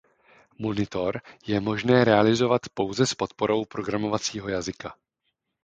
Monitor je možné realizovat pouze s podporou programovacího jazyka.